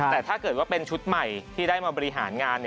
แต่ถ้าเกิดว่าเป็นชุดใหม่ที่ได้มาบริหารงาน